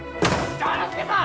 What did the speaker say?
丈之助さん！